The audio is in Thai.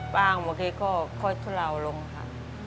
ปางเมื่อกี้ก็ค่อยทุลาวลงค่ะ